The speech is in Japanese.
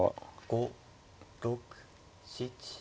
５６７８。